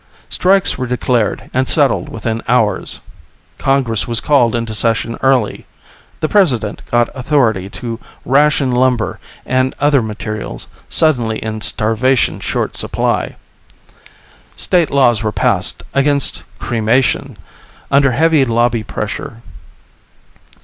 Strikes were declared and settled within hours. Congress was called into session early. The President got authority to ration lumber and other materials suddenly in starvation short supply. State laws were passed against cremation, under heavy lobby pressure.